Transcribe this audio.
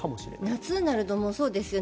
夏になるとそうですよ。